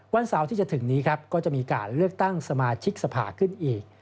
วันเสาร์ที่จะถึงนี้ครับก็จะมีการเลือกตั้งสมาชิกสภาขึ้นอีก